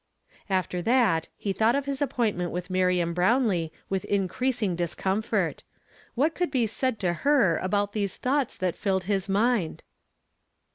After that, he thought of liis appointment with Miriam Hrown lee with increasing discomfort. What could be said to her about these thoughts that lilled his mind